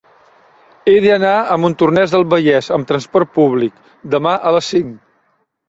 He d'anar a Montornès del Vallès amb trasport públic demà a les cinc.